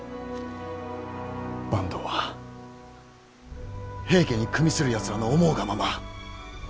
坂東は平家に与するやつらの思うがまま。